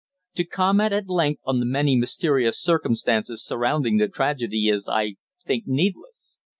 To comment at length on the many mysterious circumstances surrounding the tragedy is, I think, needless.